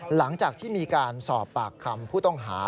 หลังจากที่มีการสอบปากคำผู้ต้องหา